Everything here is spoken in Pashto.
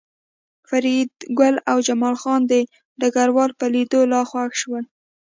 فریدګل او جمال خان د ډګروال په لیدو لا خوښ شول